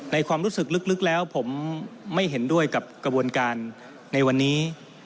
ความรู้สึกลึกแล้วผมไม่เห็นด้วยกับกระบวนการในวันนี้